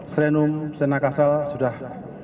srenum senakasal sudah